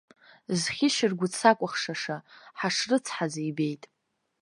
Зхьышьыргәыҵ сакәыхшаша, ҳашрыцҳаз ибеит.